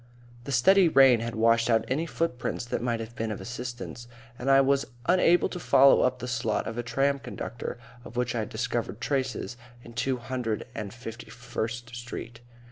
The steady rain had washed out any footprints that might have been of assistance, and I was unable to follow up the slot of a tram conductor of which I had discovered traces in Two hundred and fifty first Street.